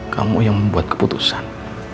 kamu yang membuat keputusan